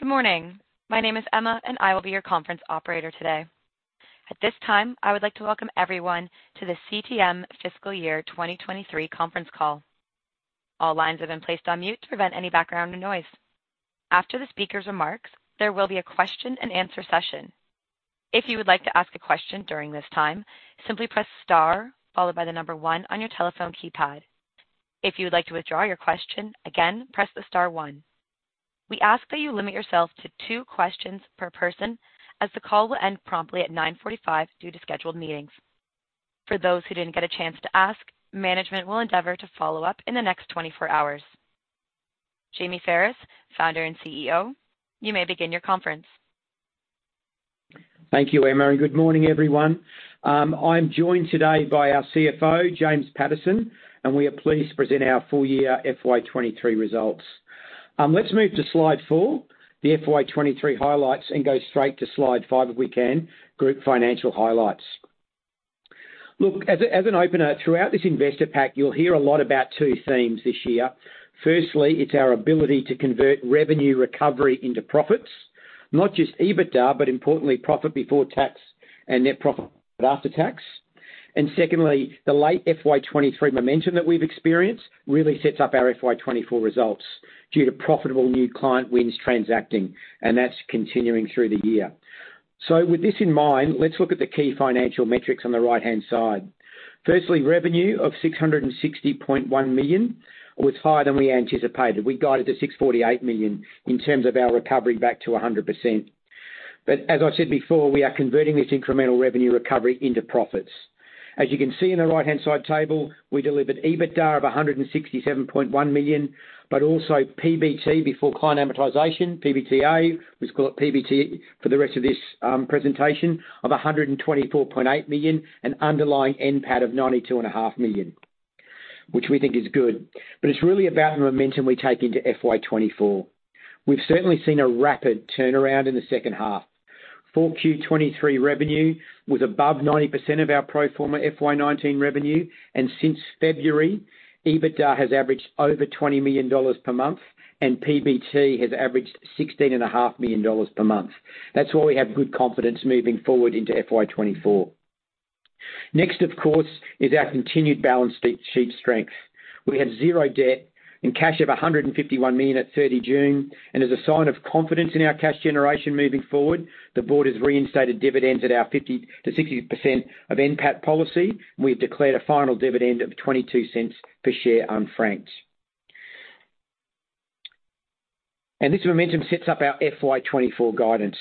Good morning. My name is Emma, and I will be your conference operator today. At this time, I would like to welcome everyone to the CTM Fiscal Year 2023 conference call. All lines have been placed on mute to prevent any background noise. After the speaker's remarks, there will be a question-and-answer session. If you would like to ask a question during this time, simply press Star followed by the number one on your telephone keypad. If you would like to withdraw your question, again, press the Star one. We ask that you limit yourself to two questions per person, as the call will end promptly at 9:45 A.M. due to scheduled meetings. For those who didn't get a chance to ask, management will endeavor to follow up in the next 24 hours. Jamie Pherous, founder and CEO, you may begin your conference. Thank you, Emma, and good morning, everyone. I'm joined today by our CFO, James Patterson, and we are pleased to present our full year FY23 results. Let's move to Slide four, the FY23 highlights, and go straight to Slide five, if we can: Group Financial Highlights. Look, as, as an opener, throughout this investor pack, you'll hear a lot about two themes this year. Firstly, it's our ability to convert revenue recovery into profits. Not just EBITDA, but importantly, profit before tax and net profit after tax. Secondly, the late FY23 momentum that we've experienced really sets up our FY24 results due to profitable new client wins transacting, and that's continuing through the year. With this in mind, let's look at the key financial metrics on the right-hand side. Firstly, revenue of 660.1 million was higher than we anticipated. We guided to 648 million in terms of our recovery back to 100%. As I said before, we are converting this incremental revenue recovery into profits. As you can see in the right-hand side table, we delivered EBITDA of 167.1 million, but also PBT before client amortization, PBTA. We've got PBT for the rest of this presentation of 124.8 million, an underlying NPAT of 92.5 million, which we think is good. It's really about the momentum we take into FY24. We've certainly seen a rapid turnaround in the second half. Q4 2023 revenue was above 90% of our pro forma FY19 revenue. Since February, EBITDA has averaged over 20 million dollars per month, and PBT has averaged 16.5 million dollars per month. That's why we have good confidence moving forward into FY24. Next, of course, is our continued balance sheet strength. We have zero debt and cash of 151 million at 30 June. As a sign of confidence in our cash generation moving forward, the board has reinstated dividends at our 50%-60% of NPAT policy. We've declared a final dividend of 0.22 per share unfranked. This momentum sets up our FY24 guidance.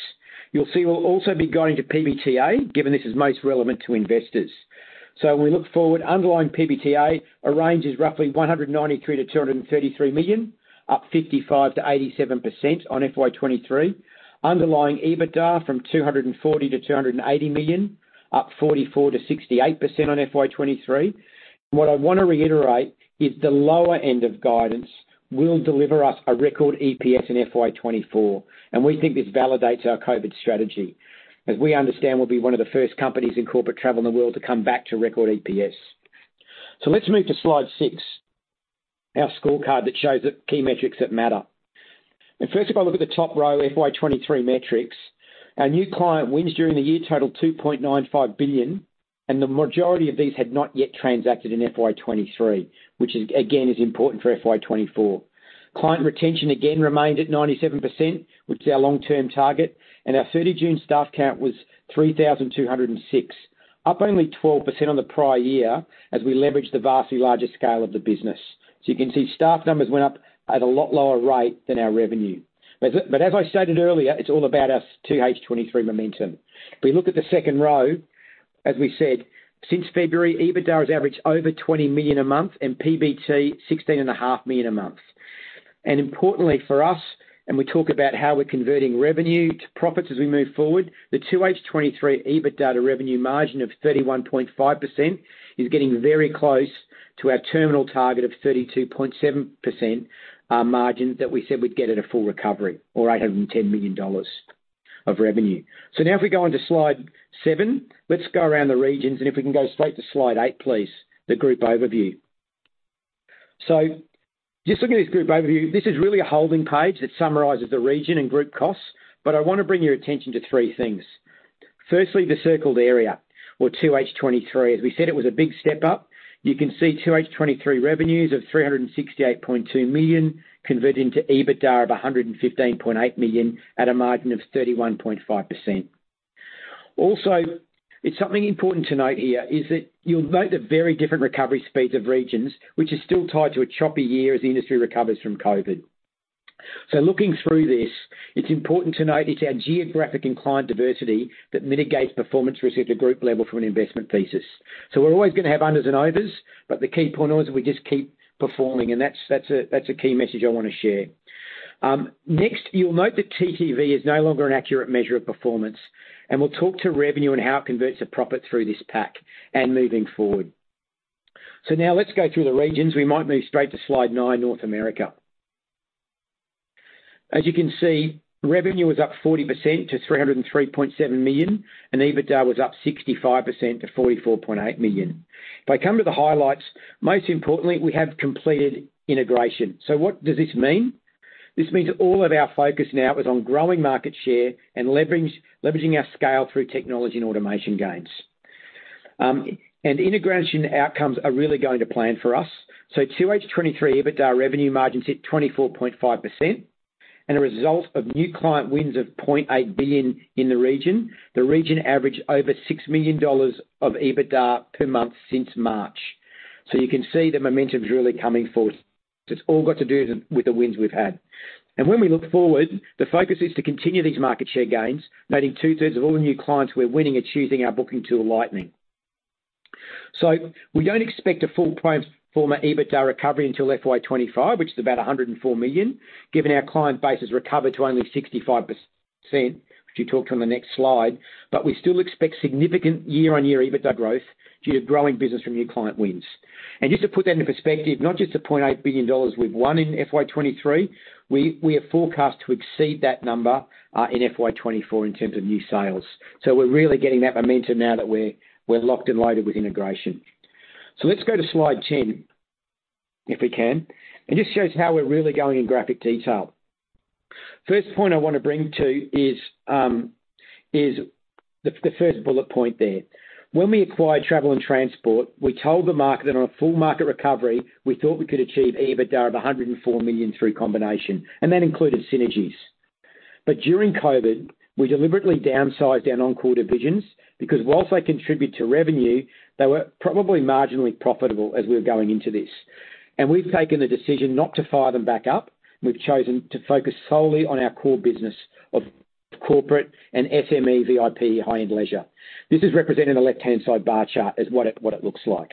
You'll see we'll also be going to PBTA, given this is most relevant to investors. We look forward, underlying PBTA arranges roughly AUD 193 million-AUD 233 million, up 55%-87% on FY23. Underlying EBITDA from 240 million-280 million, up 44%-68% on FY23. What I want to reiterate is the lower end of guidance will deliver us a record EPS in FY24, we think this validates our COVID strategy. As we understand, we'll be one of the first companies in corporate travel in the world to come back to record EPS. Let's move to Slide 6, our scorecard that shows the key metrics that matter. First, if I look at the top row, FY23 metrics, our new client wins during the year totaled 2.95 billion, and the majority of these had not yet transacted in FY23, which is, again, is important for FY24. Client retention again remained at 97%, which is our long-term target, and our 30 June staff count was 3,206, up only 12% on the prior year, as we leveraged the vastly larger scale of the business. You can see staff numbers went up at a lot lower rate than our revenue. As, but as I stated earlier, it's all about our 2H23 momentum. If we look at the second row, as we said, since February, EBITDA has averaged over 20 million a month and PBT, 16.5 million a month. Importantly for us, and we talk about how we're converting revenue to profits as we move forward, the 2H 2023 EBITDA to revenue margin of 31.5% is getting very close to our terminal target of 32.7% margin that we said we'd get at a full recovery or 810 million dollars of revenue. Now if we go on to Slide seven, let's go around the regions, and if we can go straight to Slide 8, please, the group overview. Just looking at this group overview, this is really a holding page that summarizes the region and group costs, but I want to bring your attention to three things. Firstly, the circled area or 2H 2023. As we said, it was a big step up. You can see 2H 2023 revenues of 368.2 million, converting to EBITDA of 115.8 million at a margin of 31.5%. Also, it's something important to note here is that you'll note the very different recovery speeds of regions, which is still tied to a choppy year as the industry recovers from COVID. Looking through this, it's important to note it's our geographic and client diversity that mitigates performance risk at a group level from an investment thesis. We're always going to have unders and overs, but the key point is we just keep performing, and that's a key message I want to share. Next, you'll note that TTV is no longer an accurate measure of performance, and we'll talk to revenue and how it converts to profit through this pack and moving forward. Now let's go through the regions. We might move straight to Slide 9, North America. As you can see, revenue was up 40% to 303.7 million, and EBITDA was up 65% to 44.8 million. If I come to the highlights, most importantly, we have completed integration. What does this mean? This means all of our focus now is on growing market share and leverage, leveraging our scale through technology and automation gains. Integration outcomes are really going to plan for us. 2H 2023 EBITDA revenue margins hit 24.5%, and a result of new client wins of $0.8 billion in the region. The region averaged over $6 million of EBITDA per month since March. You can see the momentum is really coming forward. It's all got to do with the wins we've had. When we look forward, the focus is to continue these market share gains, noting two-thirds of all the new clients we're winning are choosing our booking tool, Lightning. We don't expect a full pro forma EBITDA recovery until FY25, which is about $104 million, given our client base has recovered to only 65%, which we talked on the next slide, but we still expect significant year-on-year EBITDA growth due to growing business from new client wins. Just to put that into perspective, not just the $0.8 billion we've won in FY23, we, we are forecast to exceed that number in FY24 in terms of new sales. We're really getting that momentum now that we're, we're locked and loaded with integration. Let's go to Slide 10, if we can. It just shows how we're really going in graphic detail. First point I want to bring to is the, the first bullet point there. When we acquired Travel and Transport, we told the market that on a full market recovery, we thought we could achieve EBITDA of $104 million through combination, and that included synergies. During COVID, we deliberately downsized our non-core divisions, because whilst they contribute to revenue, they were probably marginally profitable as we were going into this. We've taken the decision not to fire them back up. We've chosen to focus solely on our core business of corporate and SME, VIP, high-end leisure. This is represented in the left-hand side bar chart, is what it looks like.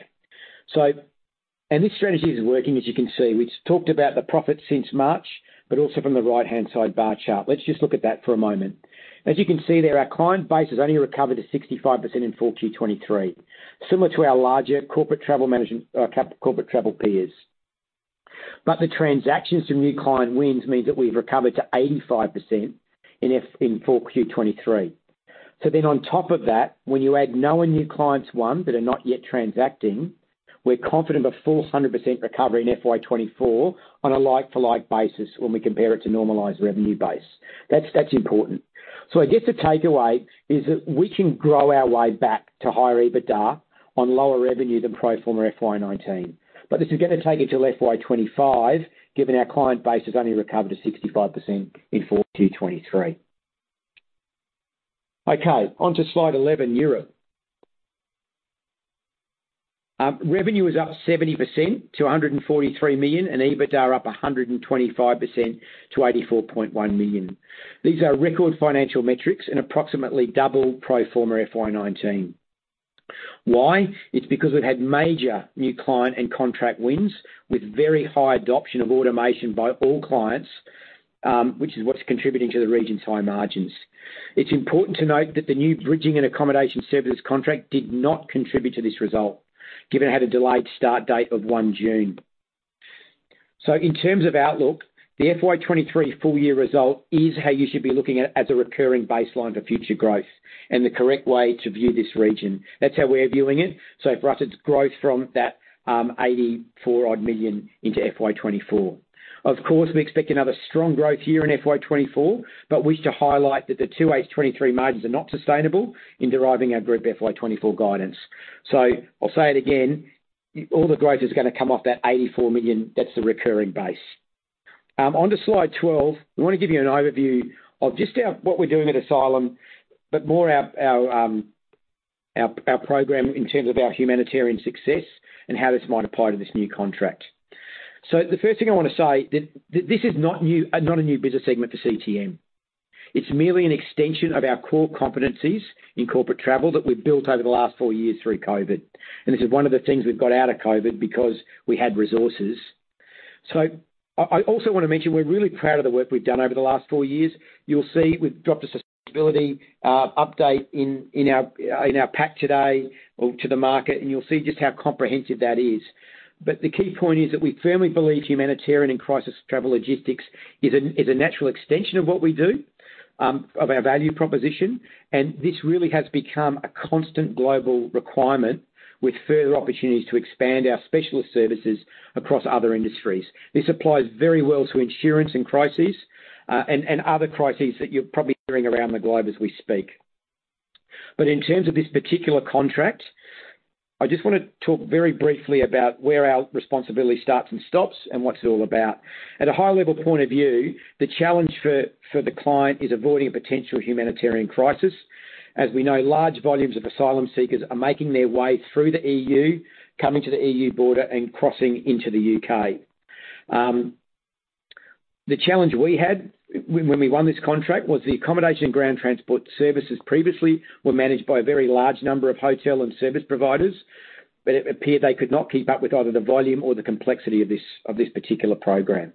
This strategy is working, as you can see. We've talked about the profits since March, also from the right-hand side bar chart. Let's just look at that for a moment. As you can see there, our client base has only recovered to 65% in 4Q23, similar to our larger Corporate Travel Management, corporate travel peers. The transactions from new client wins means that we've recovered to 85% in 4Q23. On top of that, when you add new and new clients won, that are not yet transacting, we're confident of a full 100% recovery in FY24 on a like-for-like basis when we compare it to normalized revenue base. That's, that's important. I guess the takeaway is that we can grow our way back to higher EBITDA on lower revenue than pro forma FY19. This is going to take until FY25, given our client base has only recovered to 65% in 4Q23. Okay, on to slide 11, Europe. Revenue is up 70% to $143 million, and EBITDA up 125% to $84.1 million. These are record financial metrics and approximately double pro forma FY19. Why? It's because we've had major new client and contract wins with very high adoption of automation by all clients, which is what's contributing to the region's high margins. It's important to note that the new bridging and accommodation services contract did not contribute to this result, given it had a delayed start date of 1st June. In terms of outlook, the FY23 full year result is how you should be looking at it as a recurring baseline for future growth and the correct way to view this region. That's how we're viewing it. For us, it's growth from that 84 odd million into FY24. Of course, we expect another strong growth year in FY24, we wish to highlight that the 2H 2023 margins are not sustainable in deriving our group FY24 guidance. So I'll say it again, all the growth is going to come off that 84 million. That's the recurring base. On to Slide 12. I want to give you an overview of just what we're doing at asylum, but more our, our, our program in terms of our humanitarian success and how this might apply to this new contract. The first thing I want to say that, that this is not new, not a new business segment for CTM. It's merely an extension of our core competencies in corporate travel that we've built over the last four years through COVID. This is one of the things we've got out of COVID because we had resources. I also want to mention, we're really proud of the work we've done over the last four years. You'll see we've dropped a sustainability update in, in our, in our pack today or to the market, and you'll see just how comprehensive that is. The key point is that we firmly believe humanitarian and crisis travel logistics is a, is a natural extension of what we do, of our value proposition. This really has become a constant global requirement with further opportunities to expand our specialist services across other industries. This applies very well to insurance and crises, and, and other crises that you're probably hearing around the globe as we speak. In terms of this particular contract, I just want to talk very briefly about where our responsibility starts and stops and what it's all about. At a high-level point of view, the challenge for, for the client is avoiding a potential humanitarian crisis. As we know, large volumes of asylum seekers are making their way through the EU, coming to the EU border and crossing into the UK. The challenge we had when we won this contract was the accommodation and ground transport services previously were managed by a very large number of hotel and service providers, but it appeared they could not keep up with either the volume or the complexity of this particular program.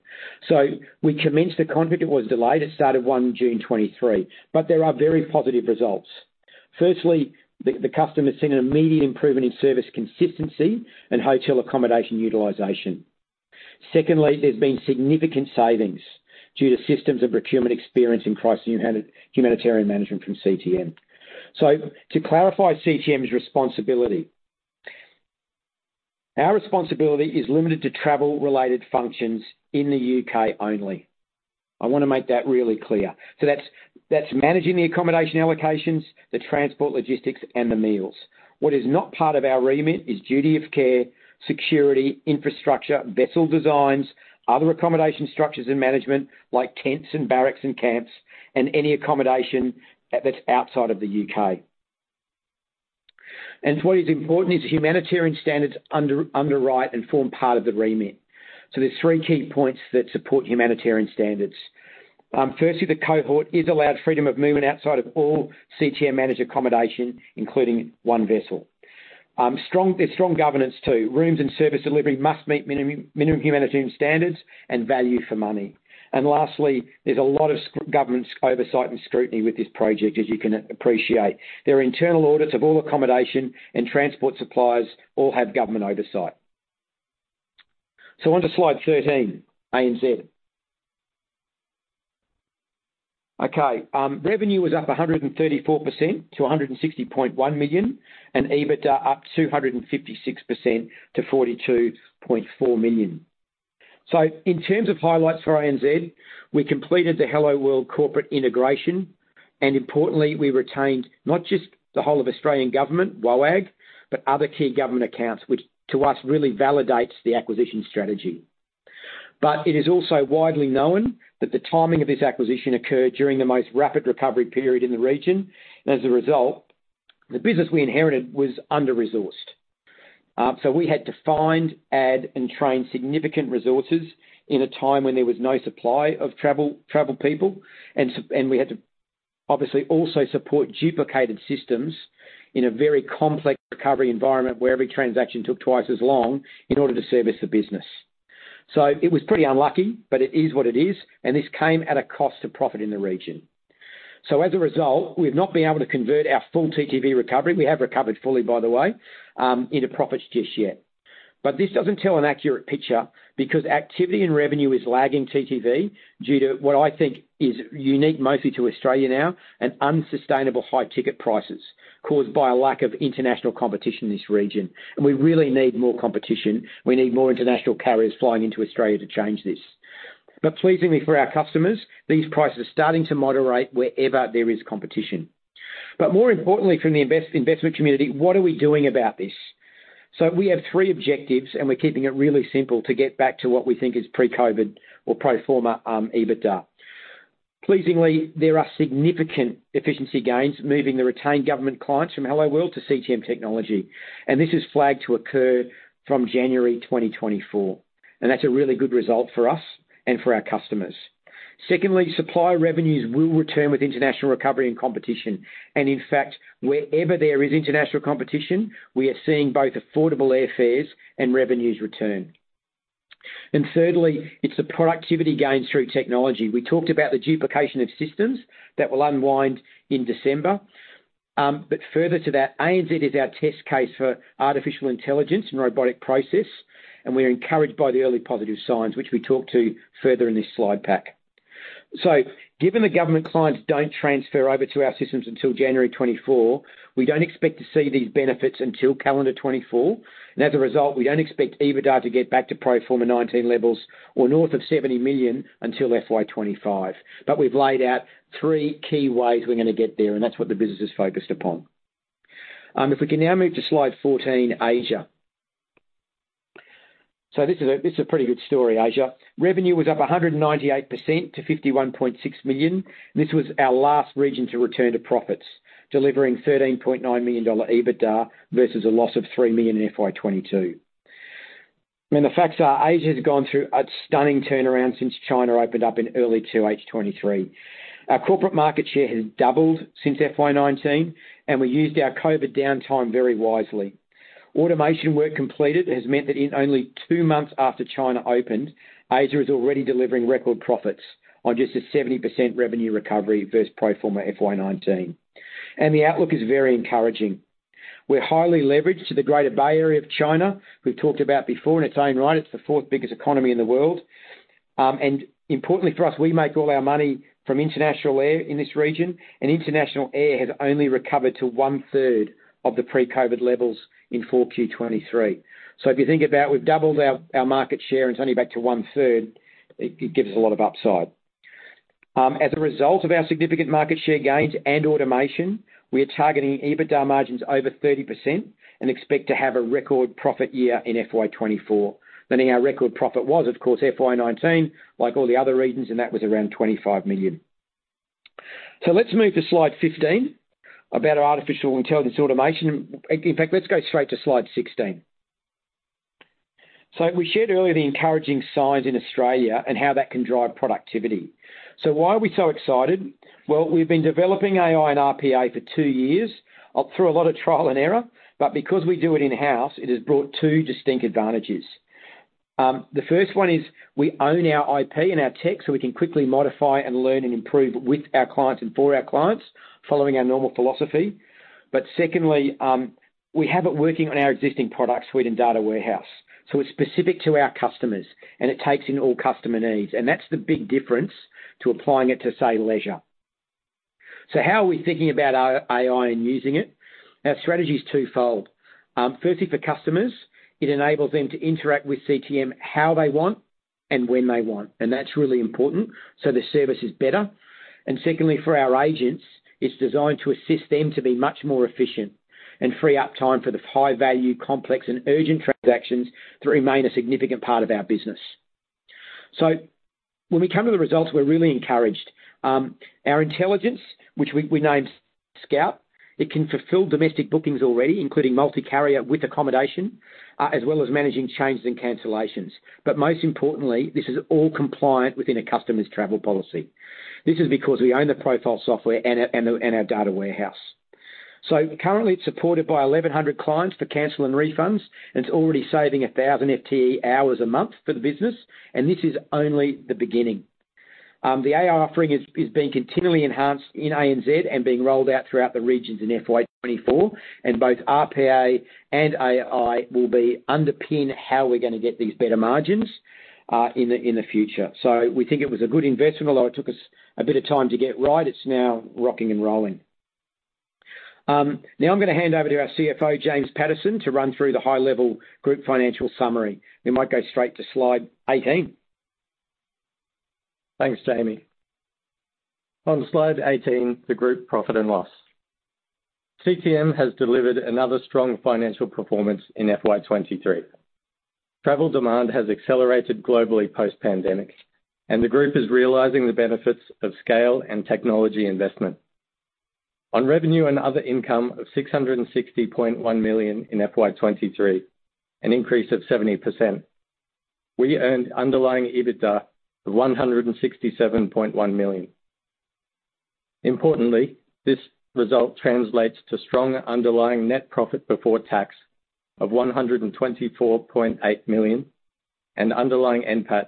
We commenced the contract. It was delayed. It started June 1, 2023, but there are very positive results. Firstly, the customer seen an immediate improvement in service consistency and hotel accommodation utilization. Secondly, there's been significant savings due to systems of procurement experience in crisis and humanitarian management from CTM. To clarify CTM's responsibility, our responsibility is limited to travel-related functions in the UK only. I want to make that really clear. That's, that's managing the accommodation allocations, the transport logistics, and the meals. What is not part of our remit is duty of care, security, infrastructure, vessel designs, other accommodation structures and management, like tents and barracks and camps, and any accommodation that, that's outside of the U.K. What is important is humanitarian standards underwrite and form part of the remit. There's three key points that support humanitarian standards. Firstly, the cohort is allowed freedom of movement outside of all CTM-managed accommodation, including one vessel. There's strong governance, too. Rooms and service delivery must meet minimum humanitarian standards and value for money. Lastly, there's a lot of government oversight and scrutiny with this project, as you can appreciate. Their internal audits of all accommodation and transport suppliers all have government oversight. On to Slide 13, ANZ. Okay, revenue was up 134% to 160.1 million, and EBITDA up 256% to 42.4 million. In terms of highlights for ANZ, we completed the Helloworld Corporate integration, and importantly, we retained not just the Whole of Australian Government, WOAG, but other key government accounts, which to us, really validates the acquisition strategy. It is also widely known that the timing of this acquisition occurred during the most rapid recovery period in the region, and as a result, the business we inherited was under-resourced. We had to find, add, and train significant resources in a time when there was no supply of travel, travel people. We had to obviously also support duplicated systems in a very complex recovery environment, where every transaction took twice as long in order to service the business. It was pretty unlucky, but it is what it is, and this came at a cost to profit in the region. As a result, we've not been able to convert our full TTV recovery, we have recovered fully, by the way, into profits just yet. This doesn't tell an accurate picture because activity and revenue is lagging TTV due to what I think is unique, mostly to Australia now, and unsustainable high ticket prices caused by a lack of international competition in this region. We really need more competition. We need more international carriers flying into Australia to change this. Pleasingly for our customers, these prices are starting to moderate wherever there is competition. More importantly from the investment community, what are we doing about this? We have three objectives, and we're keeping it really simple to get back to what we think is pre-COVID or pro forma EBITDA. Pleasingly, there are significant efficiency gains moving the retained government clients from Helloworld to CTM Technology, and this is flagged to occur from January 2024. That's a really good result for us and for our customers. Secondly, supplier revenues will return with international recovery and competition, and in fact, wherever there is international competition, we are seeing both affordable airfares and revenues return. Thirdly, it's the productivity gains through technology. We talked about the duplication of systems that will unwind in December. Further to that, ANZ is our test case for artificial intelligence and robotic process, and we are encouraged by the early positive signs, which we talk to further in this slide pack. Given the government clients don't transfer over to our systems until January 2024, we don't expect to see these benefits until calendar 2024. As a result, we don't expect EBITDA to get back to pro forma 2019 levels or north of 70 million until FY25. We've laid out three key ways we're going to get there, and that's what the business is focused upon. If we can now move to Slide 14, Asia. This is a, this is a pretty good story, Asia. Revenue was up 198% to 51.6 million. This was our last region to return to profits, delivering $13.9 million EBITDA versus a loss of $3 million in FY22. The facts are, Asia has gone through a stunning turnaround since China opened up in early 2H 2023. Our corporate market share has doubled since FY19, and we used our COVID downtime very wisely. Automation work completed has meant that in only two months after China opened, Asia is already delivering record profits on just a 70% revenue recovery versus pro forma FY19. The outlook is very encouraging. We're highly leveraged to the Greater Bay Area of China. We've talked about before, in its own right, it's the fourth biggest economy in the world. And importantly for us, we make all our money from international air in this region, and international air has only recovered to one-third of the pre-COVID levels in Q4 2023. If you think about we've doubled our market share, and it's only back to one-third, it gives us a lot of upside. As a result of our significant market share gains and automation, we are targeting EBITDA margins over 30% and expect to have a record profit year in FY2024. Meaning our record profit was, of course, FY2019, like all the other regions, and that was around 25 million. Let's move to Slide 15, about artificial intelligence automation. In fact, let's go straight to Slide 16. We shared earlier the encouraging signs in Australia and how that can drive productivity. Why are we so excited? Well, we've been developing AI and RPA for two years, through a lot of trial and error, but because we do it in-house, it has brought two distinct advantages. The first one is we own our IP and our tech, so we can quickly modify and learn and improve with our clients and for our clients, following our normal philosophy. Secondly, We have it working on our existing product suite and data warehouse. It's specific to our customers, and it takes in all customer needs, and that's the big difference to applying it to, say, leisure. How are we thinking about our AI and using it? Our strategy is twofold. Firstly, for customers, it enables them to interact with CTM how they want and when they want, and that's really important, so the service is better. Secondly, for our agents, it's designed to assist them to be much more efficient and free up time for the high-value, complex, and urgent transactions that remain a significant part of our business. When we come to the results, we're really encouraged. Our intelligence, which we, we named Scout, it can fulfill domestic bookings already, including multi-carrier with accommodation, as well as managing changes and cancellations. Most importantly, this is all compliant within a customer's travel policy. This is because we own the profile software and our, and the, and our data warehouse. Currently, it's supported by 1,100 clients for cancel and refunds, and it's already saving 1,000 FTE hours a month for the business, and this is only the beginning. The AI offering is, is being continually enhanced in ANZ and being rolled out throughout the regions in FY24, and both RPA and AI will underpin how we're gonna get these better margins in the future. We think it was a good investment, although it took us a bit of time to get right, it's now rocking and rolling. Now I'm gonna hand over to our CFO, James Patterson, to run through the high-level group financial summary. We might go straight to slide 18. Thanks, Jamie. On Slide 18, the group profit and loss. CTM has delivered another strong financial performance in FY23. Travel demand has accelerated globally post-pandemic, and the group is realizing the benefits of scale and technology investment. On revenue and other income of 660.1 million in FY23, an increase of 70%, we earned underlying EBITDA of 167.1 million. Importantly, this result translates to stronger underlying net profit before tax of 124.8 million and underlying NPAT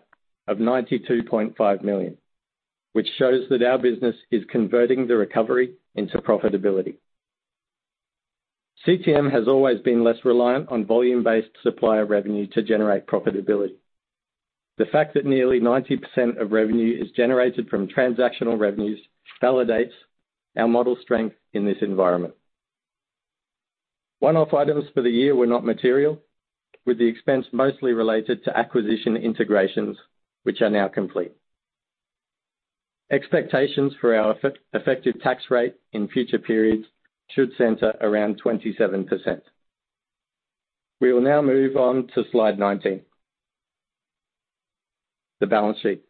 of 92.5 million, which shows that our business is converting the recovery into profitability. CTM has always been less reliant on volume-based supplier revenue to generate profitability. The fact that nearly 90% of revenue is generated from transactional revenues validates our model strength in this environment. One-off items for the year were not material, with the expense mostly related to acquisition integrations, which are now complete. Expectations for our effective tax rate in future periods should center around 27%. We will now move on to Slide 19, the balance sheet.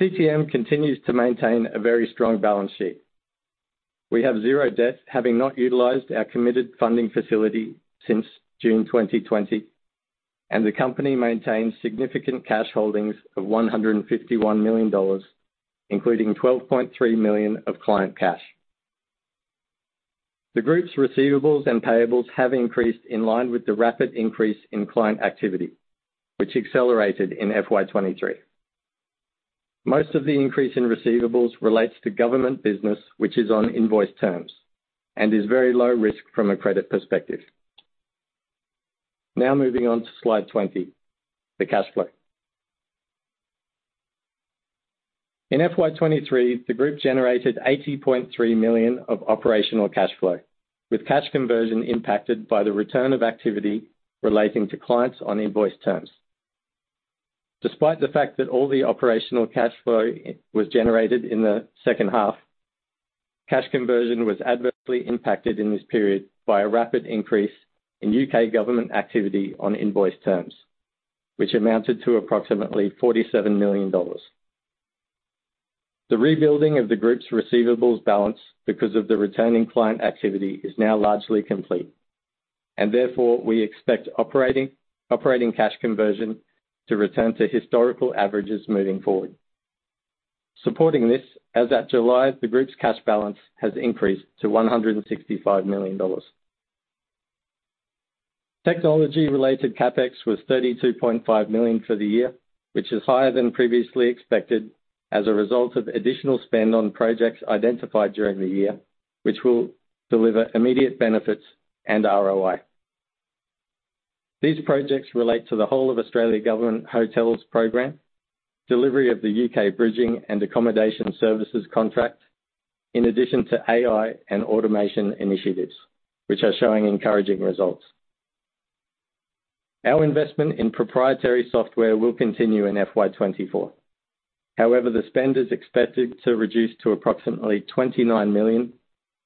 CTM continues to maintain a very strong balance sheet. We have 0 debt, having not utilized our committed funding facility since June 2020, and the company maintains significant cash holdings of $151 million, including $12.3 million of client cash. The group's receivables and payables have increased in line with the rapid increase in client activity, which accelerated in FY23. Most of the increase in receivables relates to government business, which is on invoice terms and is very low risk from a credit perspective. Moving on to Slide 20, the cash flow. In FY23, the group generated 80.3 million of operational cash flow, with cash conversion impacted by the return of activity relating to clients on invoice terms. Despite the fact that all the operational cash flow was generated in the second half, cash conversion was adversely impacted in this period by a rapid increase in UK Government activity on invoice terms, which amounted to approximately 47 million dollars. The rebuilding of the group's receivables balance because of the returning client activity, is now largely complete, and therefore, we expect operating cash conversion to return to historical averages moving forward. Supporting this, as at July, the group's cash balance has increased to 165 million dollars. Technology-related CapEx was 32.5 million for the year, which is higher than previously expected as a result of additional spend on projects identified during the year, which will deliver immediate benefits and ROI. These projects relate to the Whole of Australian Government Hotels program, delivery of the Bridging Accommodation and Travel Services contract, in addition to AI and automation initiatives, which are showing encouraging results. Our investment in proprietary software will continue in FY24. However, the spend is expected to reduce to approximately 29 million,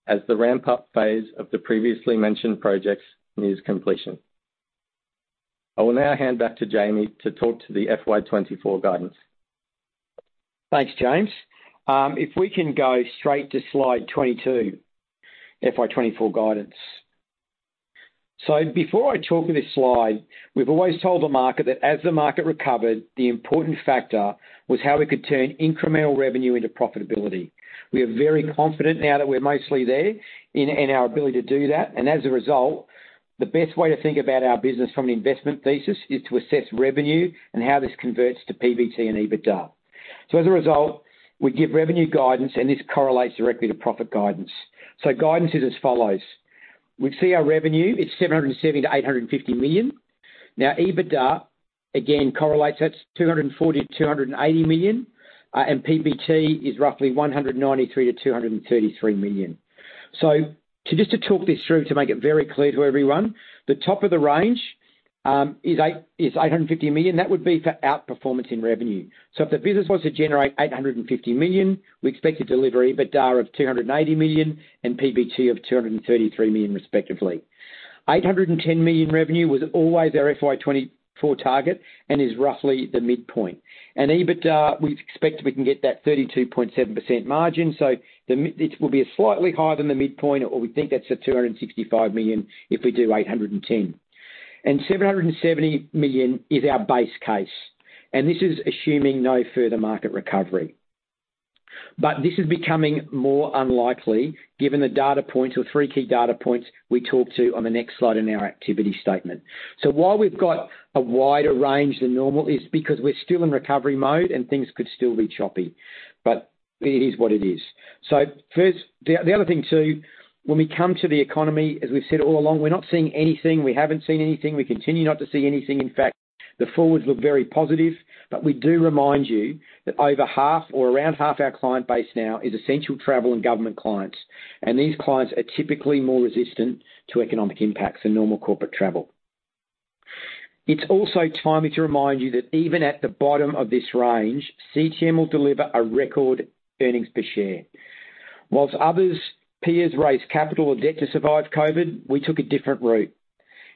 as the ramp-up phase of the previously mentioned projects nears completion. I will now hand back to Jamie to talk to the FY24 guidance. Thanks, James. If we can go straight to Slide 22, FY24 guidance. Before I talk to this Slide, we've always told the market that as the market recovered, the important factor was how we could turn incremental revenue into profitability. We are very confident now that we're mostly there in, in our ability to do that, and as a result, the best way to think about our business from an investment thesis is to assess revenue and how this converts to PBT and EBITDA. As a result, we give revenue guidance, and this correlates directly to profit guidance. Guidance is as follows: We see our revenue, it's 770 million-850 million. EBITDA, again, correlates. That's 240 million-280 million, and PBT is roughly 193 million-233 million. Just to talk this through, to make it very clear to everyone, the top of the range is 850 million. That would be for outperformance in revenue. If the business was to generate 850 million, we expect to deliver EBITDA of 280 million and PBT of 233 million respectively. 810 million revenue was always our FY 2024 target and is roughly the midpoint. EBITDA, we expect we can get that 32.7% margin, so this will be a slightly higher than the midpoint, or we think that's 265 million if we do 810 million. 770 million is our base case, and this is assuming no further market recovery. This is becoming more unlikely given the data points or three key data points we talk to on the next slide in our activity statement. While we've got a wider range than normal, it's because we're still in recovery mode and things could still be choppy, but it is what it is. First, the other thing, too, when we come to the economy, as we've said all along, we're not seeing anything, we haven't seen anything, we continue not to see anything. In fact, the forwards look very positive. We do remind you that over half or around half our client base now is essential travel and government clients, and these clients are typically more resistant to economic impacts than normal corporate travel. It's also timely to remind you that even at the bottom of this range, CTM will deliver a record earnings per share. Whilst others, peers raised capital or debt to survive COVID, we took a different route,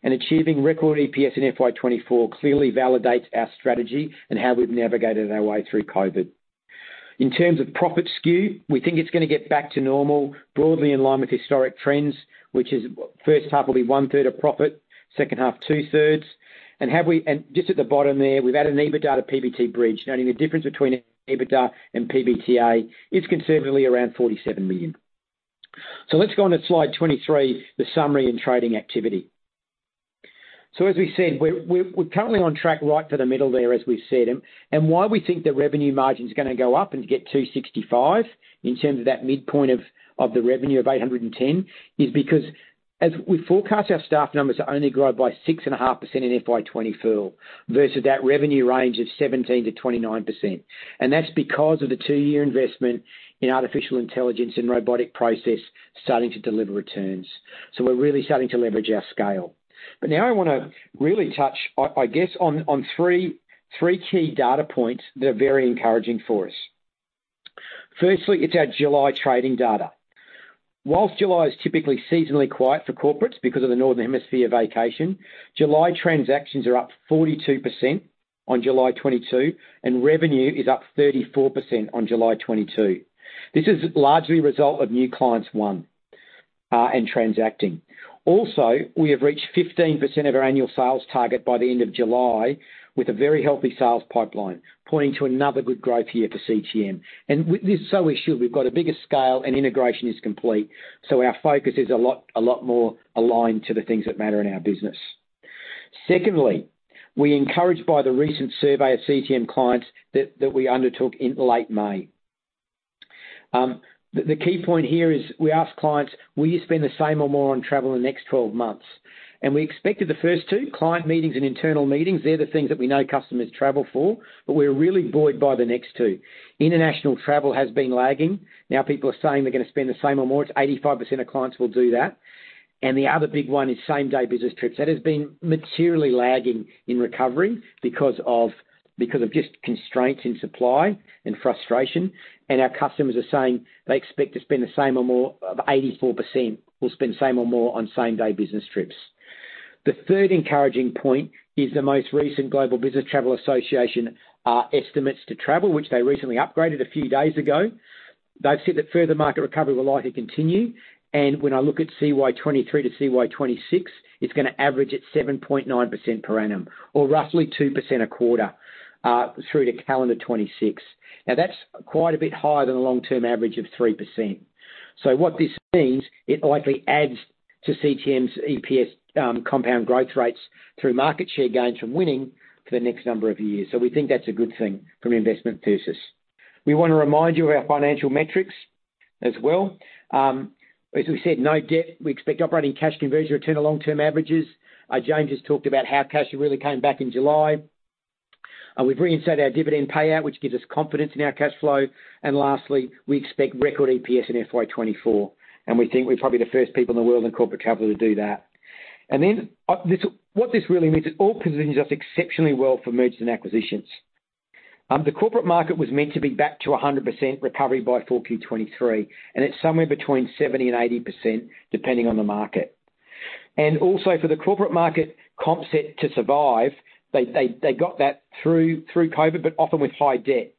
and achieving record EPS in FY24 clearly validates our strategy and how we've navigated our way through COVID. In terms of profit skew, we think it's gonna get back to normal, broadly in line with historic trends, which is, first half will be one-third of profit, second half, two-thirds. Just at the bottom there, we've added an EBITDA to PBT bridge, noting the difference between EBITDA and PBTA is conservatively around 47 million. Let's go on to Slide 23, the summary and trading activity. As we said, we're currently on track right to the middle there, as we've said. Why we think the revenue margin is going to go up and get to 65% in terms of that midpoint of the revenue of 810 million, is because as we forecast our staff numbers to only grow by 6.5% in FY24, versus that revenue range of 17%-29%. That's because of the two-year investment in artificial intelligence and robotic process starting to deliver returns. We're really starting to leverage our scale. Now I wanna really touch, I guess, on three, three key data points that are very encouraging for us. Firstly, it's our July trading data. Whilst July is typically seasonally quiet for corporates because of the Northern Hemisphere vacation, July transactions are up 42% on July 2022, and revenue is up 34% on July 2022. This is largely a result of new clients won and transacting. We have reached 15% of our annual sales target by the end of July, with a very healthy sales pipeline, pointing to another good growth year for CTM. This, so we should. We've got a bigger scale and integration is complete, so our focus is a lot, a lot more aligned to the things that matter in our business. Secondly, we're encouraged by the recent survey of CTM clients that, that we undertook in late May. The, the key point here is we ask clients: Will you spend the same or more on travel in the next 12 months? We expected the first two, client meetings and internal meetings, they're the things that we know customers travel for, but we're really buoyed by the next two. International travel has been lagging. Now, people are saying they're gonna spend the same or more. It's 85% of clients will do that. The other big one is same-day business trips. That has been materially lagging in recovery because of, because of just constraints in supply and frustration, and our customers are saying they expect to spend the same or more, of 84% will spend same or more on same-day business trips. The third encouraging point is the most recent Global Business Travel Association estimates to travel, which they recently upgraded a few days ago. They've said that further market recovery will likely continue, and when I look at CY 2023 to CY 2026, it's gonna average at 7.9% per annum, or roughly 2% a quarter, through to calendar 2026. Now, that's quite a bit higher than the long-term average of 3%. So what this means, it likely adds to CTM's EPS compound growth rates through market share gains from winning for the next number of years. So we think that's a good thing from an investment thesis. We want to remind you of our financial metrics as well. As we said, no debt. We expect operating cash conversion to return to long-term averages. James has talked about how cash really came back in July. We've reinstalled our dividend payout, which gives us confidence in our cash flow. Lastly, we expect record EPS in FY24, and we think we're probably the first people in the world in corporate travel to do that. What this really means is it all positions us exceptionally well for mergers and acquisitions. The corporate market was meant to be back to 100% recovery by 4Q 2023, and it's somewhere between 70% and 80%, depending on the market. Also, for the corporate market comp set to survive, they, they, they got that through, through COVID, but often with high debt.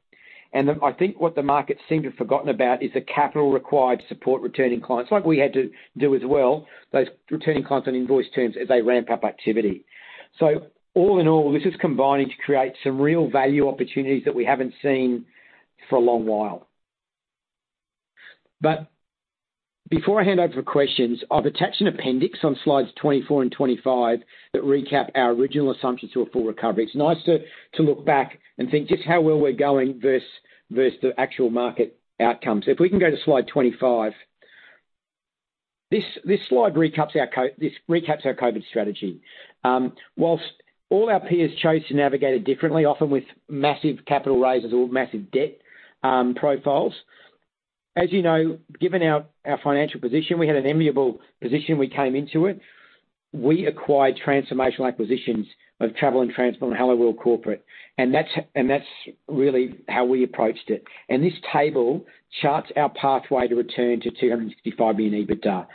I think what the market seemed to have forgotten about is the capital required to support returning clients, like we had to do as well, those returning clients on invoice terms as they ramp up activity. All in all, this is combining to create some real value opportunities that we haven't seen for a long while. Before I hand over for questions, I've attached an appendix on slides 24 and 25 that recap our original assumptions to a full recovery. It's nice to look back and think just how well we're going versus the actual market outcomes. If we can go to slide 25. This slide recaps this recaps our COVID strategy. Whilst all our peers chose to navigate it differently, often with massive capital raises or massive debt profiles, as you know, given our, our financial position, we had an enviable position we came into it. We acquired transformational acquisitions of Travel and Transport and Helloworld Corporate, and that's really how we approached it. This table charts our pathway to return to 265 million EBITDA.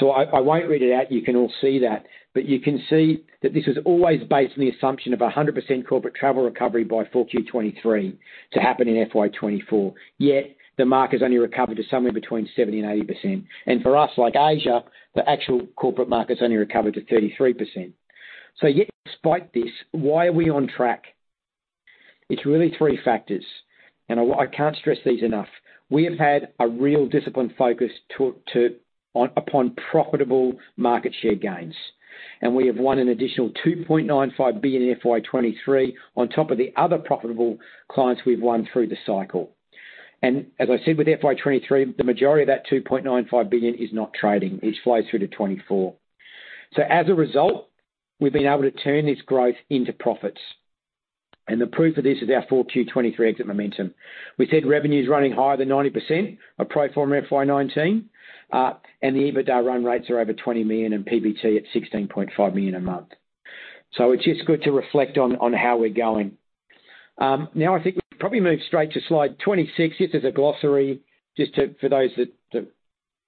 I, I won't read it out, you can all see that. You can see that this was always based on the assumption of a 100% corporate travel recovery by 4Q23 to happen in FY24, yet the market has only recovered to somewhere between 70%-80%. For us, like Asia, the actual corporate market's only recovered to 33%. Yet despite this, why are we on track? It's really three factors, I can't stress these enough. We have had a real disciplined focus to, on, upon profitable market share gains, and we have won an additional 2.95 billion in FY23 on top of the other profitable clients we've won through the cycle. As I said, with FY23, the majority of that 2.95 billion is not trading, it flows through to 2024. As a result, we've been able to turn this growth into profits. The proof of this is our 4Q23 exit momentum. We said revenue is running higher than 90% of pro forma FY19, and the EBITDA run rates are over 20 million, and PBT at 16.5 million a month. It's just good to reflect on how we're going. I think we'll probably move straight to slide 26. This is a glossary, just for those that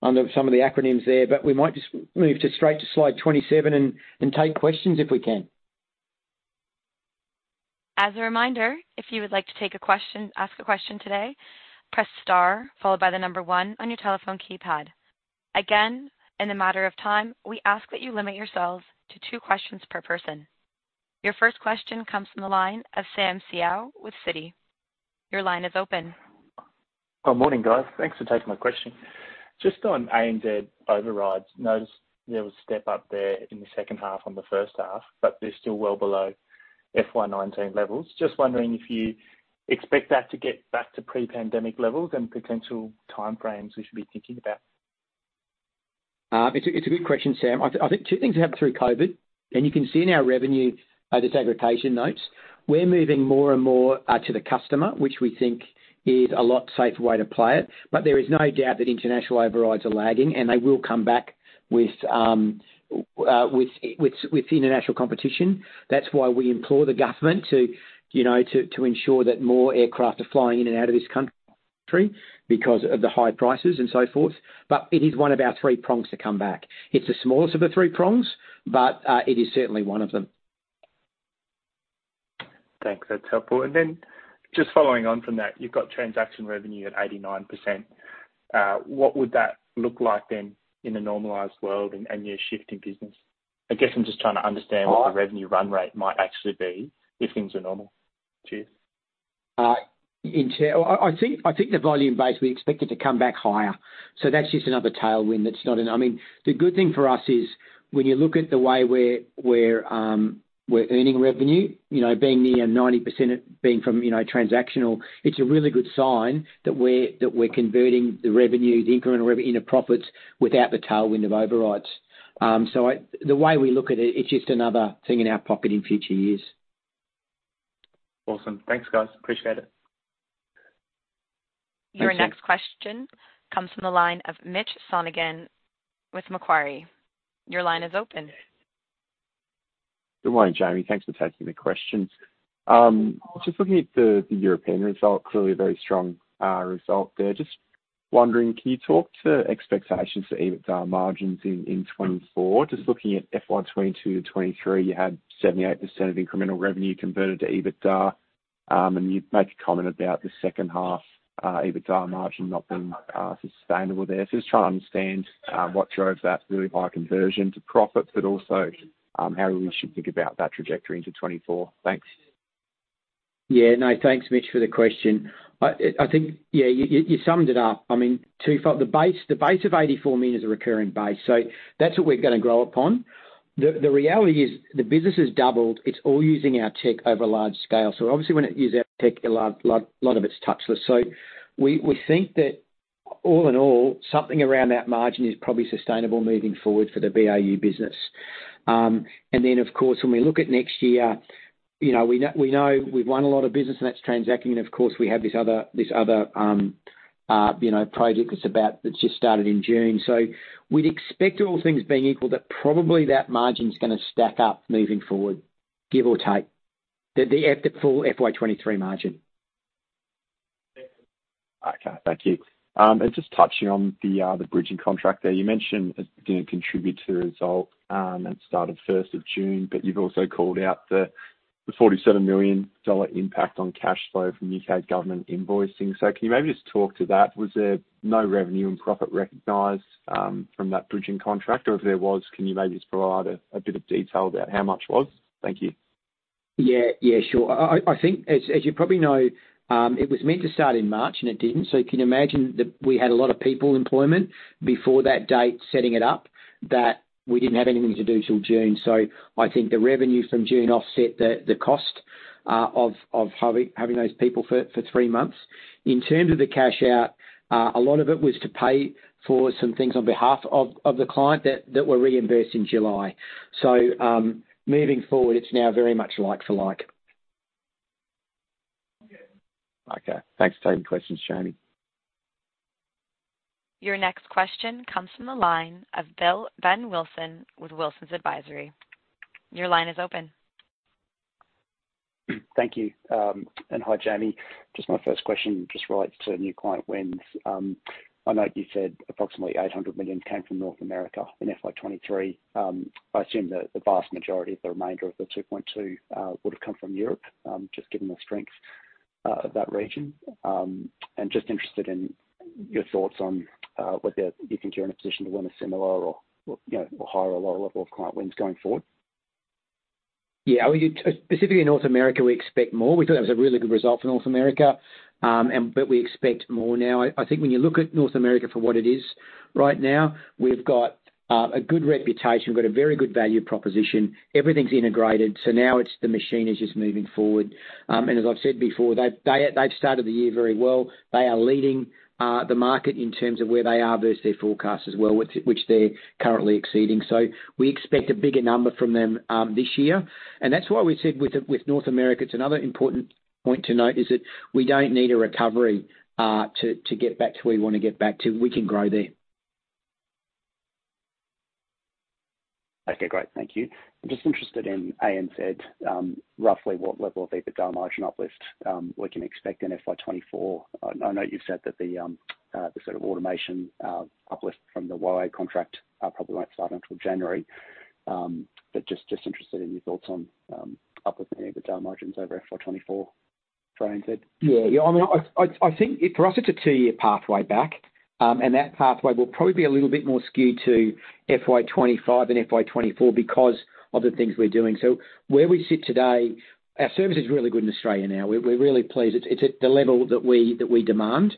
understand some of the acronyms there, but we might just move to straight to slide 27 and take questions if we can. As a reminder, if you would like to take a question, ask a question today, press star, followed by the number one on your telephone keypad. Again, in the matter of time, we ask that you limit yourselves to two questions per person. Your first question comes from the line of Sam Seow with Citi. Your line is open. Good morning, guys. Thanks for taking my question. Just on ANZ overrides, noticed there was a step up there in the second half on the first half, but they're still well below FY19 levels. Just wondering if you expect that to get back to pre-pandemic levels and potential time frames we should be thinking about? It's a good question, Sam. I think 2 things happened through COVID, and you can see in our revenue disaggregation notes. We're moving more and more to the customer, which we think is a lot safer way to play it. There is no doubt that international overrides are lagging, and they will come back with international competition. That's why we implore the government to, you know, to ensure that more aircraft are flying in and out of this country because of the high prices and so forth. It is one of our three prongs to come back. It's the smallest of the three prongs, but it is certainly one of them. Thanks. That's helpful. Just following on from that, you've got transaction revenue at 89%. What would that look like then in a normalized world and, and your shift in business? I guess I'm just trying to understand- Uh. What the revenue run rate might actually be if things are normal. Cheers. I think, I think the volume base, we expect it to come back higher. That's just another tailwind, that's not. I mean, the good thing for us is, when you look at the way we're, we're earning revenue, you know, being near 90% of it being from, you know, transactional, it's a really good sign that we're, that we're converting the revenues, the incremental revenue into profits without the tailwind of overrides. The way we look at it, it's just another thing in our pocket in future years. Awesome. Thanks, guys. Appreciate it. Thank you. Your next question comes from the line of Mitchell Sonogan with Macquarie. Your line is open. Good morning, Jamie. Thanks for taking the questions. Just looking at the European result, clearly a very strong result there. Just wondering, can you talk to expectations for EBITDA margins in 2024? Just looking at FY 2022-2023, you had 78% of incremental revenue converted to EBITDA, and you've made a comment about the second half EBITDA margin not being sustainable there. Just trying to understand what drove that really high conversion to profit, but also how we should think about that trajectory into 2024. Thanks. Yeah. No, thanks, Mitch, for the question. I, I think, yeah, you, you, you summed it up. I mean, twofold. The base, the base of 84 million is a recurring base, so that's what we're going to grow upon. The, the reality is the business has doubled. It's all using our tech over a large scale. Obviously, when it use our tech, a lot, lot, lot of it's touchless. We, we think that all in all, something around that margin is probably sustainable moving forward for the BAU business. Then, of course, when we look at next year, you know, we know we've won a lot of business and that's transacting, and of course, we have this other, this other, you know, project that's just started in June. We'd expect all things being equal, that probably that margin is going to stack up moving forward, give or take, the, the full FY23 margin. Okay, thank you. Just touching on the, the Bridging Contract there. You mentioned it didn't contribute to the result, and started 1st of June, but you've also called out the, the $47 million impact on cash flow from UK government invoicing. Can you maybe just talk to that? Was there no revenue and profit recognized from that Bridging Contract? If there was, can you maybe just provide a, a bit of detail about how much was? Thank you. Yeah, yeah, sure. I, I think as, as you probably know, it was meant to start in March, and it didn't. You can imagine that we had a lot of people employment before that date, setting it up, that we didn't have anything to do till June. I think the revenue from June offset the, the cost of, of having, having those people for, for three months. In terms of the cash out, a lot of it was to pay for some things on behalf of, of the client that, that were reimbursed in July. Moving forward, it's now very much like for like. Okay. Okay. Thanks for taking the questions, Jamie. Your next question comes from the line of Ben Wilson with Wilsons Advisory. Your line is open. Thank you, and hi, Jamie. Just my first question, just relates to new client wins. I know you said approximately 800 million came from North America in FY23. I assume that the vast majority of the remainder of the 2.2 would have come from Europe, just given the strength of that region. Just interested in your thoughts on whether you think you're in a position to win a similar or, or, you know, or higher or lower level of client wins going forward? Yeah, we did. Specifically in North America, we expect more. We thought it was a really good result for North America. We expect more now. I, I think when you look at North America for what it is right now, we've got a good reputation. We've got a very good value proposition. Everything's integrated, now it's the machine is just moving forward. As I've said before, they've started the year very well. They are leading the market in terms of where they are versus their forecast as well, which they're currently exceeding. We expect a bigger number from them this year, and that's why we said with North America, it's another important point to note, is that we don't need a recovery to get back to where we want to get back to. We can grow there. Okay, great. Thank you. I'm just interested in ANZ, roughly what level of EBITDA margin uplift we can expect in FY 2024. I, I know you've said that the sort of automation uplift from the WA contract probably won't start until January. Just, just interested in your thoughts on uplifting EBITDA margins over FY 2024 for ANZ. Yeah. Yeah, I mean, I think for us, it's a two-year pathway back, and that pathway will probably be a little bit more skewed to FY 2025 than FY 2024 because of the things we're doing. Where we sit today, our service is really good in Australia now. We're, we're really pleased. It's, it's at the level that we, that we demand,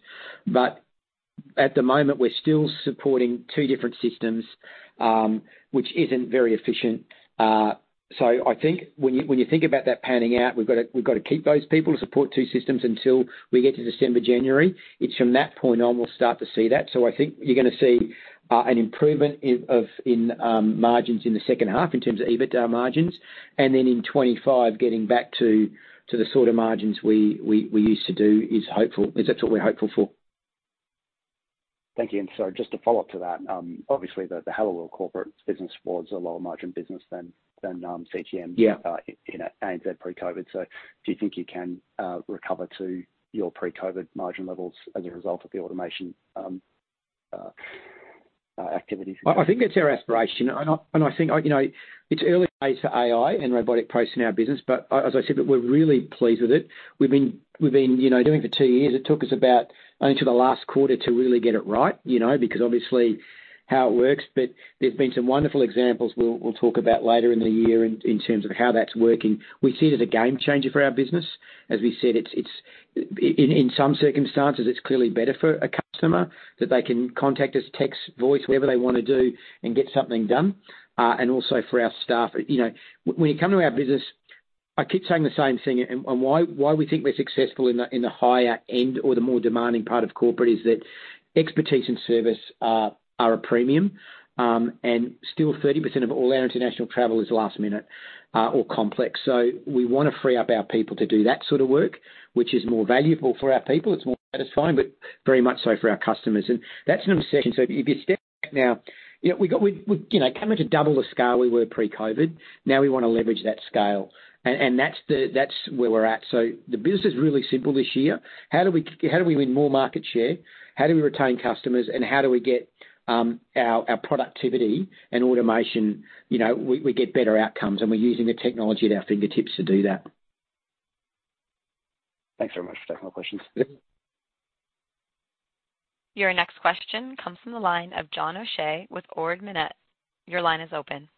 but at the moment, we're still supporting two different systems, which isn't very efficient. I think when you, when you think about that panning out, we've got to, we've got to keep those people to support two systems until we get to December, January. It's from that point on, we'll start to see that. I think you're going to see an improvement in margins in the second half in terms of EBITDA margins. In 25, getting back to the sort of margins we used to do is hopeful. That's what we're hopeful for. Thank you. So just to follow up to that, obviously the Helloworld Corporate business was a lower margin business than, than, CTM. Yeah... in, in ANZ pre-COVID. Do you think you can recover to your pre-COVID margin levels as a result of the automation activities? I, I think it's our aspiration, and I, and I think, I, you know, it's early days for AI and robotic process in our business. As I said, that we're really pleased with it. We've been, we've been, you know, doing it for two years. It took us about only to the last quarter to really get it right, you know, because obviously how it works. There's been some wonderful examples we'll, we'll talk about later in the year in, in terms of how that's working. We see it as a game changer for our business. As we said, it's, it's, in, in some circumstances, it's clearly better for a customer that they can contact us, text, voice, whatever they want to do, and get something done, and also for our staff. You know, when you come to our business, I keep saying the same thing, and why we think we're successful in the, in the higher end or the more demanding part of corporate, is that expertise and service are, are a premium, and still 30% of all our international travel is last minute, or complex. We want to free up our people to do that sort of work, which is more valuable for our people. It's more satisfying, but very much so for our customers. That's an obsession. If you step back now, you know, we've, You know, coming to 2x the scale, we were pre-COVID. We want to leverage that scale, and that's where we're at. The business is really simple this year. How do we how do we win more market share? How do we retain customers? How do we get, our, our productivity and automation, you know, we, we get better outcomes, and we're using the technology at our fingertips to do that. Thanks very much for taking my questions. Yeah. Your next question comes from the line of John O'Shea with Ord Minnett. Your line is open.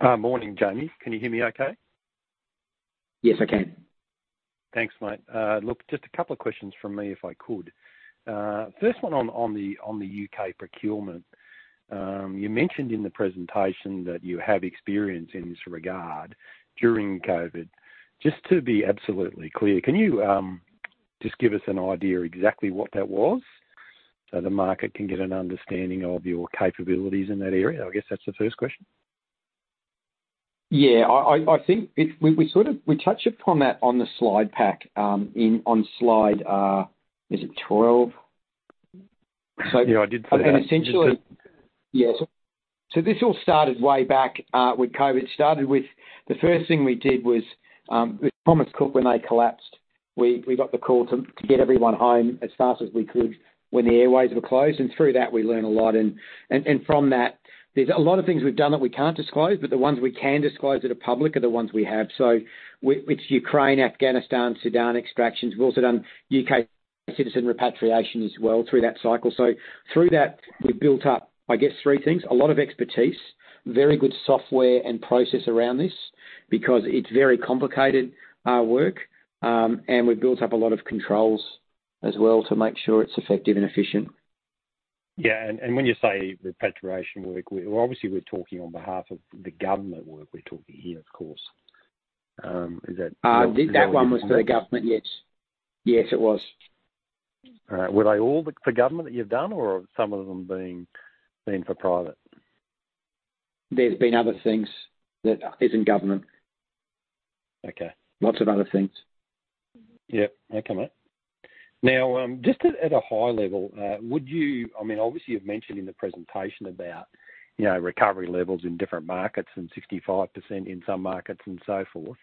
Morning, Jamie. Can you hear me okay? Yes, I can. Thanks, mate. look, just a couple of questions from me, if I could. first one on, on the, on the UK procurement. you mentioned in the presentation that you have experience in this regard during COVID. Just to be absolutely clear, can you, just give us an idea exactly what that was, so the market can get an understanding of your capabilities in that area? I guess that's the first question. Yeah, I think it. We sort of, we touched upon that on the slide pack, on slide, is it 12? Yeah, I did see that. This all started way back with COVID. It started with, the first thing we did was with Thomas Cook when they collapsed. We, we got the call to, to get everyone home as fast as we could when the airways were closed. Through that, we learned a lot. And, and from that, there's a lot of things we've done that we can't disclose, but the ones we can disclose that are public are the ones we have. Ukraine, Afghanistan, Sudan extractions. We've also done UK citizen repatriation as well through that cycle. Through that, we've built up, I guess, three things: a lot of expertise, very good software and process around this, because it's very complicated work. We've built up a lot of controls as well to make sure it's effective and efficient. Yeah, and when you say repatriation work, obviously, we're talking on behalf of the government work we're talking here, of course. Is that? That one was for the government, yes. Yes, it was. All right. Were they all the, for government that you've done, or some of them being, been for private? There's been other things that isn't government. Okay. Lots of other things. Yep. Okay, mate. I mean, obviously, you've mentioned in the presentation about, you know, recovery levels in different markets and 65% in some markets and so forth.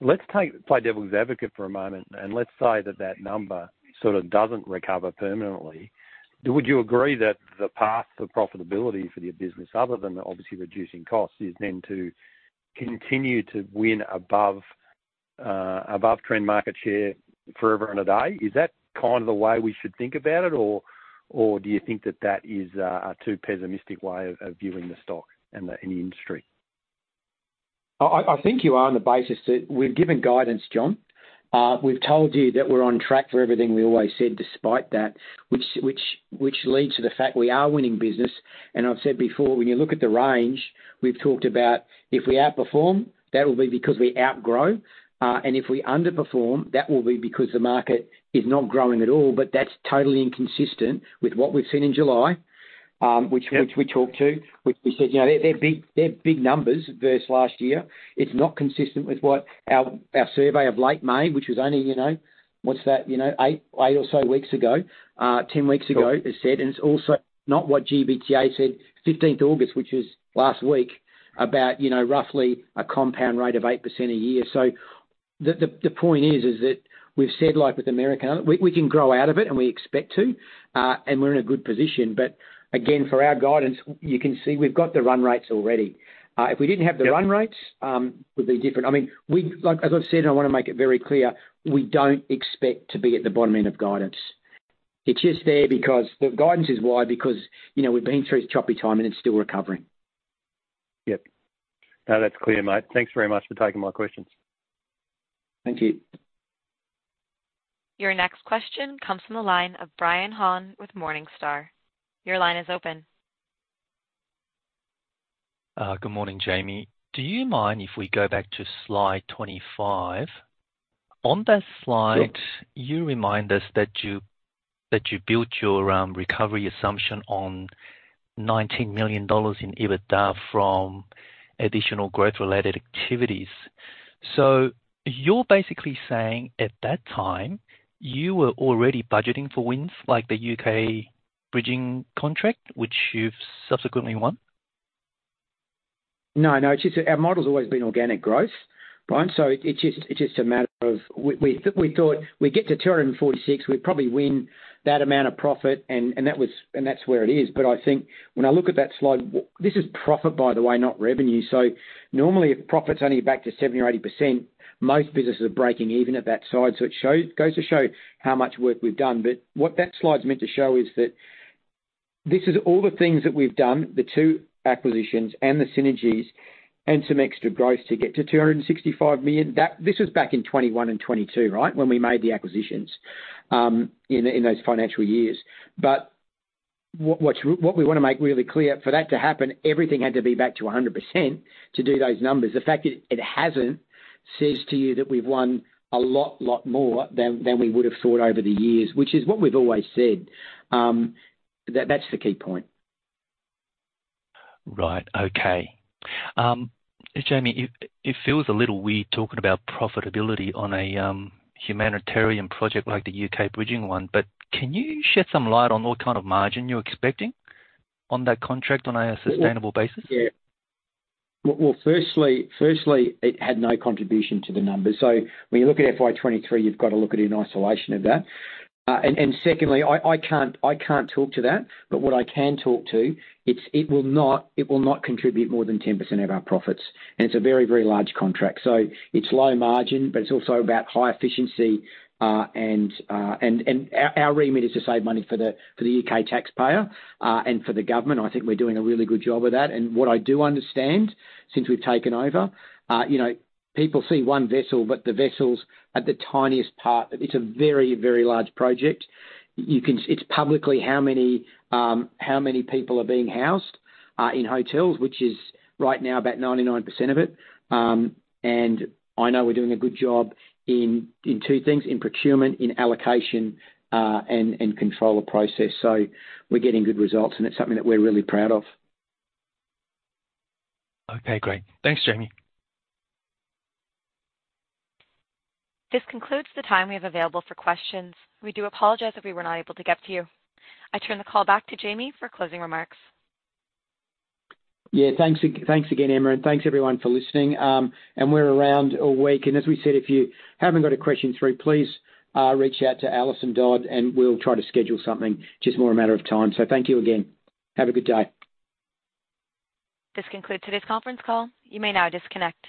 Let's play devil's advocate for a moment, and let's say that that number sort of doesn't recover permanently. Would you agree that the path to profitability for your business, other than obviously reducing costs, is then to continue to win above, above trend market share forever and a day? Is that kind of the way we should think about it, or, or do you think that that is a, a too pessimistic way of, of viewing the stock and the, and the industry? I, I, I think you are on the basis that we've given guidance, John. We've told you that we're on track for everything we always said despite that, which, which, which leads to the fact we are winning business. I've said before, when you look at the range, we've talked about if we outperform, that will be because we outgrow. If we underperform, that will be because the market is not growing at all, that's totally inconsistent with what we've seen in July, which. Yeah... which we talked to, which we said, you know, they're big, they're big numbers versus last year. It's not consistent with what our, our survey of late May, which was only, you know, what's that? you know, eight, eight or so weeks ago, 10 weeks ago, as said, and it's also not what GBTA said, 15th August, which is last week, about, you know, roughly a compound rate of 8% a year. The, the, the point is, is that we've said, like with America, we, we can grow out of it, and we expect to, and we're in a good position. Again, for our guidance, you can see we've got the run rates already. If we didn't have the run rates- Yeah would be different. I mean, we've-- like as I've said, and I wanna make it very clear, we don't expect to be at the bottom end of guidance. It's just there because the guidance is wide because, you know, we've been through a choppy time, and it's still recovering. Yep. Now that's clear, mate. Thanks very much for taking my questions. Thank you. Your next question comes from the line of Brian Han with Morningstar. Your line is open. Good morning, Jamie. Do you mind if we go back to slide 25? On that slide. Yep you remind us that you, that you built your, recovery assumption on $19 million in EBITDA from additional growth-related activities. You're basically saying at that time, you were already budgeting for wins, like the UK bridging contract, which you've subsequently won? No, no, it's just that our model's always been organic growth, Brian. It's just, it's just a matter of we thought we'd get to 246. We'd probably win that amount of profit, and that was and that's where it is. I think when I look at that slide, this is profit, by the way, not revenue. Normally, if profit's only back to 70% or 80%, most businesses are breaking even at that side. It shows goes to show how much work we've done. What that slide is meant to show is that this is all the things that we've done, the 2 acquisitions and the synergies and some extra growth to get to 265 million. This was back in 2021 and 2022, right? When we made the acquisitions, in the, in those financial years. What, what, what we wanna make really clear, for that to happen, everything had to be back to 100% to do those numbers. The fact that it hasn't says to you that we've won a lot, lot more than, than we would have thought over the years, which is what we've always said. That, that's the key point. Right. Okay. Jamie Pherous, it, it feels a little weird talking about profitability on a humanitarian project like the UK bridging one, but can you shed some light on what kind of margin you're expecting on that contract on a sustainable basis? Yeah. Well, well, firstly, firstly, it had no contribution to the numbers. When you look at FY23, you've got to look at it in isolation of that. And secondly, I can't, I can't talk to that, but what I can talk to, it's, it will not contribute more than 10% of our profits, and it's a very, very large contract. It's low margin, but it's also about high efficiency, and our remit is to save money for the UK taxpayer and for the government. I think we're doing a really good job of that. What I do understand, since we've taken over, you know, people see one vessel, but the vessel's at the tiniest part. It's a very, very large project. You can... It's publicly how many how many people are being housed in hotels, which is right now about 99% of it. I know we're doing a good job in, in two things, in procurement, in allocation, and, and control the process. We're getting good results, and it's something that we're really proud of. Okay, great. Thanks, Jamie. This concludes the time we have available for questions. We do apologize if we were not able to get to you. I turn the call back to Jamie for closing remarks. Yeah, thanks again, Emma, and thanks, everyone, for listening. We're around all week, and as we said, if you haven't got a question through, please reach out to Allison Dodd, and we'll try to schedule something. Just more a matter of time. Thank you again. Have a good day. This concludes today's conference call. You may now disconnect.